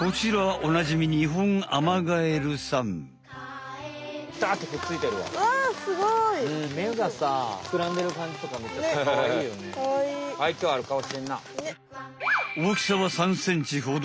おおきさは３ｃｍほど。